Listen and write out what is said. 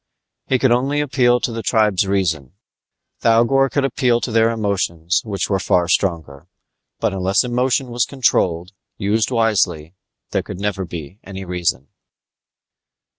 He could only appeal to the tribe's reason; Thougor could appeal to their emotions which were far stronger. But unless emotion was controlled, used wisely, there could never be any reason.